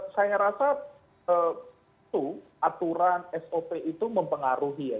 saya rasa itu aturan sop itu mempengaruhi ya